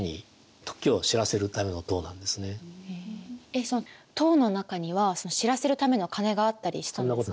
えっその塔の中には知らせるための鐘があったりしたんですか？